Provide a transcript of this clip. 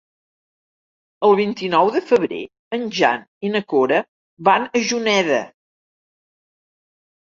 El vint-i-nou de febrer en Jan i na Cora van a Juneda.